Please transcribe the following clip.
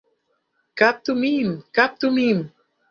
Kaptu min, kaptu min!